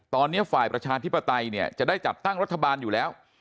ตอนนี้ฝ่ายประชาธิปไตยเนี่ยจะได้จัดตั้งรัฐบาลอยู่แล้ว